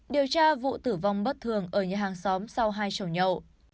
điều tra vụ tử vong bất thường ở nhà hàng xóm sau hai sổ nhậu